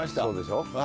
そうでしょ。